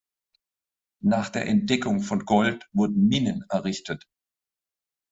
Nach der Entdeckung von Gold wurden Minen errichtet.